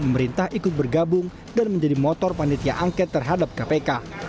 pemerintah ikut bergabung dan menjadi motor panitia angket terhadap kpk